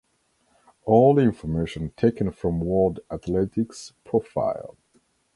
All information taken from World Athletics profile.